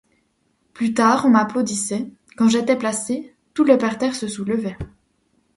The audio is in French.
Plus tard, on m'applaudissait ; quand j'étais placée, tout le parterre se soulevait.